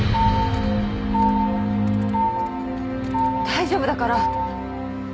大丈夫だから。